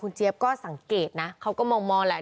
คุณเจ๊บก็สังเกดนะเขาก็มองมองแหละ